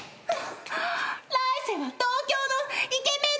来世は東京のイケメン